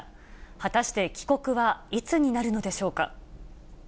果たして帰国はいつになるのでしょうか。